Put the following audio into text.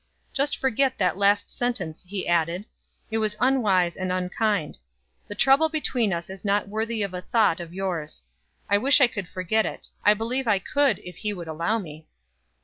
"Just forget that last sentence," he added. "It was unwise and unkind; the trouble between us is not worthy of a thought of yours. I wish I could forget it. I believe I could if he would allow me."